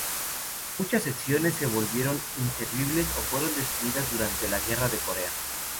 Muchas secciones se volvieron inservibles o fueron destruidas durante la Guerra de Corea.